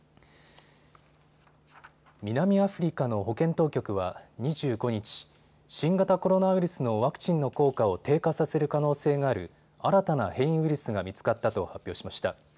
南アフリカの保健当局は２５日、新型コロナウイルスのワクチンの効果を低下させる可能性がある新たな変異ウイルスが見つかったと発表しました。